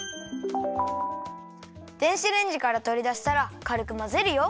電子レンジからとりだしたらかるくまぜるよ。